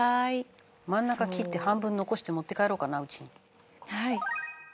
真ん中切って半分残して持って帰ろうかな家に。